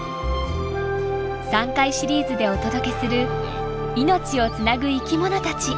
３回シリーズでお届けする「命をつなぐ生きものたち」。